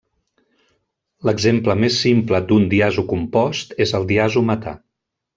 L'exemple més simple d'un diazocompost és el diazometà.